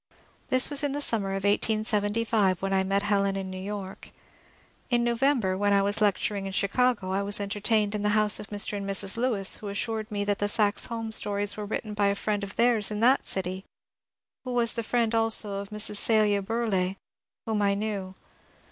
This was in the summer of 1875, when I met Helen in New York. In November, when I was lecturing in Chicago, I was entertained in the house of Mr. and Mrs. Lewis, who assured me that the Saxe Holm stories were written by a friend of theirs in that city, who was the friend also of Mrs. Celia Burleigh, — whom I knew.